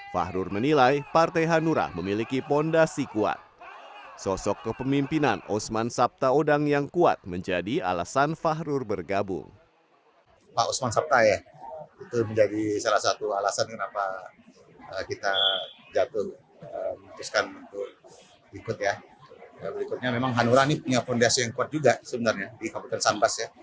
ketua umum partai hati nurani rakyat atau hanura usman sabtaudang terus merapatkan barisan dan memperkuat soliditas partai dengan mengunjungi kader dan caleg hanura di kabupaten sambas